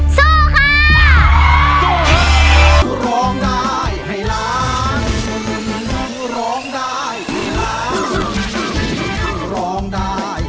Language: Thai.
สู้ค่ะ